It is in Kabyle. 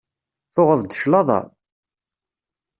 Tuɣeḍ-d claḍa?